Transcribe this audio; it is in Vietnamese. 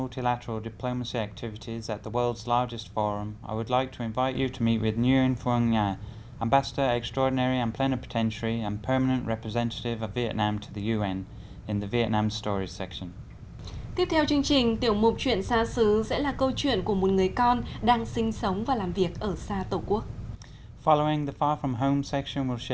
tiếp theo chương trình tiểu mục chuyện xa xứ sẽ là câu chuyện của một người con đang sinh sống và làm việc ở xa tổ quốc